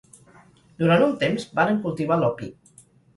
Durant un temps varen cultivar l'opi.